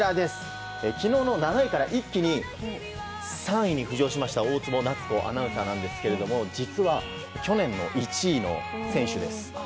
昨日の７位から一気に３位に浮上した大坪奈津子アナウンサーですが実は去年の１位の選手です。